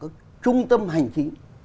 có trung tâm hành trình